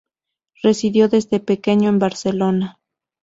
Residió desde pequeño en Barcelona.